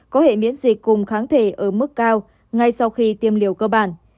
có hệ miễn dịch cùng kháng thể ở mức cao ngay sau khi tiêm liều cơ bản